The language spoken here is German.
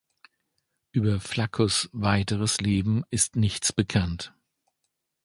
Über Flaccus’ weiteres Leben ist nichts bekannt.